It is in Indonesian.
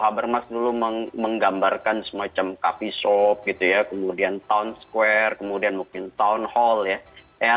habermas dulu menggambarkan semacam coffee shop gitu ya kemudian town square kemudian mungkin town hall ya